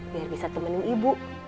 biar bisa temenin ibu